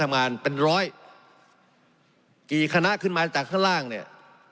ทำงานเป็นร้อยกี่คณะขึ้นมาจากข้างล่างเนี่ย